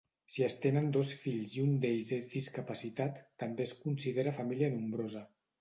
Si es tenen dos fills i un d'ells és discapacitat també es considera família nombrosa.